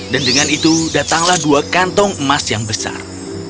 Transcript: dan dengan itu datanglah dua kantong emas yang besar